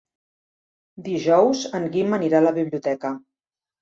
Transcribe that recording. Dijous en Guim anirà a la biblioteca.